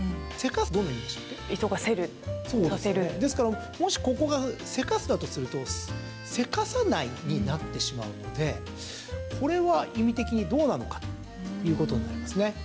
ですから、もしここが「せかす」だとするとせかさないになってしまうのでこれは意味的にどうなのかということになりますね。